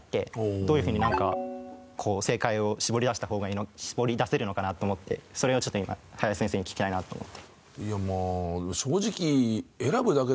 どういうふうに正解を絞り出せるのかな？と思ってそれをちょっと今林先生に聞きたいなと思って。